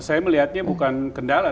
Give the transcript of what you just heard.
saya melihatnya bukan kendala